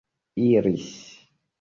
iris